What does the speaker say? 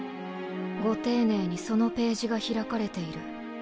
ご丁寧にそのページが開かれている。